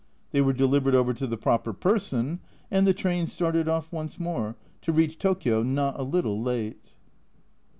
They were delivered over to the proper person and the train started off once more, to reach Tokio not a little late.